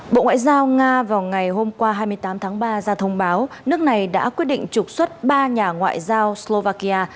bộ ngoại giao nga vào ngày hôm qua hai mươi tám tháng ba ra thông báo nước này đã quyết định trục xuất ba nhà ngoại giao slovakia